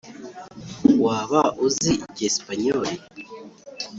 waba uzi icyesipanyoli, ?"